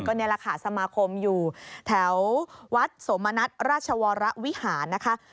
นี่แหละค่ะสมาคมอยู่แถววัดสมณัฐราชวรวิหารนะคะ